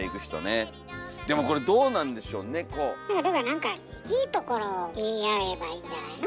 なんかいいところを言い合えばいいんじゃないの？